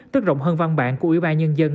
tức rộng hơn văn bản của ủy ban nhân dân